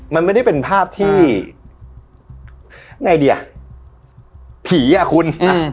มันไม่ได้เป็นภาพที่ไงดีอ่ะผีอ่ะคุณ